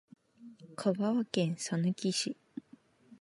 香川県さぬき市